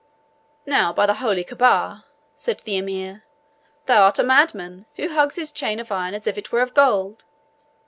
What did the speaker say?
"Now, by the Holy Caaba," said the Emir, "thou art a madman who hugs his chain of iron as if it were of gold!